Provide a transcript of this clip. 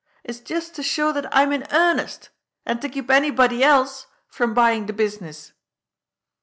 It's just to show that I'm in earnest, and to keep anybody else from buying the business."